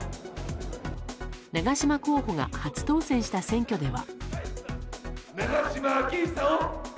長島候補が初当選した選挙では。